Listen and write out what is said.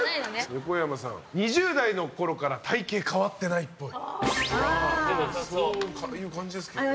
横山さん、２０代のころから体形変わってないっぽい。